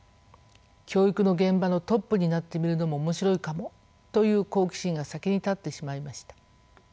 「教育の現場のトップになってみるのも面白いかも」という好奇心が先に立ってしまいました。